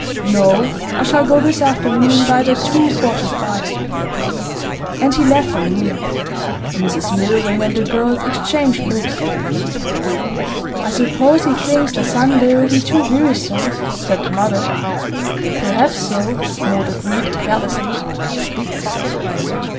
'No, I shall go this afternoon, by the 2.45.' And he left the room. Mrs Milvain and the girls exchanged looks. 'I suppose he thinks the Sunday will be too wearisome,' said the mother. 'Perhaps so,' Maud agreed, carelessly.